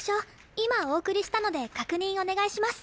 今お送りしたので確認お願いします。